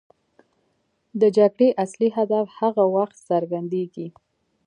د جګړې اصلي هدف هغه وخت څرګندېږي.